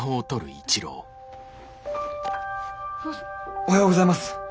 おはようございます。